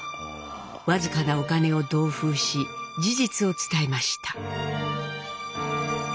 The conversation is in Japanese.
僅かなお金を同封し事実を伝えました。